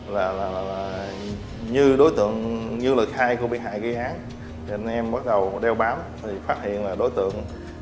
như đối tượng như là khai covid một mươi chín ghi án anh em bắt đầu đeo bám thì phát hiện là đối tượng